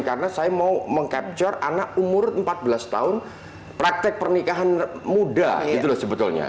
karena saya mau mengcapture anak umur empat belas tahun praktek pernikahan muda gitu loh sebetulnya